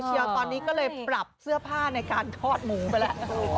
ตอนนี้ก็เลยปรับเสื้อผ้าในการทอดหมูไปแล้ว